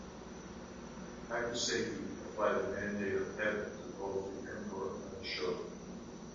Hakuseki applied the mandate of heaven to both the emperor and the shogun.